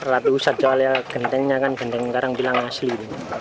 ratu saja gantengnya kan ganteng sekarang bilang asli